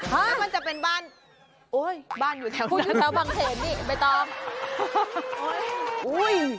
แล้วมันจะเป็นบ้านบ้านอยู่แถวนั้นคุณอยู่แถวบางเหตุนี่ไม่ต้อง